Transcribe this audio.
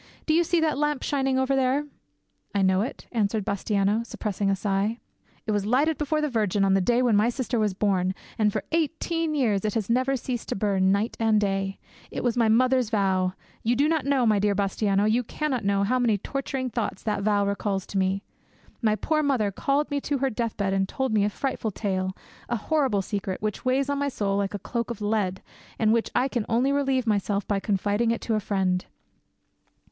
Do you see that lamp shining over there?" "I know it," answered Bastiano, suppressing a sigh. "It was lighted before the Virgin one the day when my sister was born, and for eighteen year it has never ceased to burn, night and day. It was my mother's vow. You do not know, my dear Bastiano, you cannot know how many torturing thoughts that vow recalls to me. My poor mother called me to her deathbed and told me a frightful tale, a horrible secret, which weighs on my soul like a cloak of lead, and of which I can only relieve myself by confiding it to a friend.